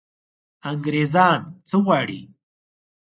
انګرېزان څه غواړي.